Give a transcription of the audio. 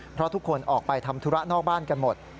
เพราะทุกคนออกไปทำธุระนอกบ้านกันหมด